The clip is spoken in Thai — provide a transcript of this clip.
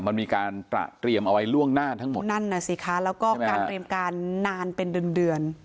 มันมีการตระเตรียมเอาไว้ล่วงหน้าทั้งหมดนั่นน่ะสิคะแล้วก็การเตรียมการนานเป็นเดือนเดือน